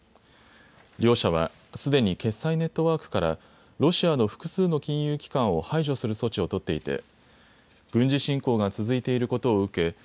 両社はすでに決済ネットワークからロシアの複数の金融機関を排除する措置を取っていて、軍事侵攻が続いていることを受け